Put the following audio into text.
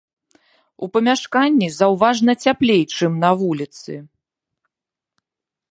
У памяшканні заўважна цяплей, чым на вуліцы.